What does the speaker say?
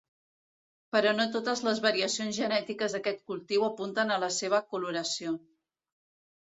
Però no totes les variacions genètiques d'aquest cultiu apunten a la seva coloració.